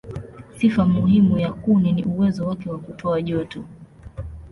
Sifa muhimu ya kuni ni uwezo wake wa kutoa joto.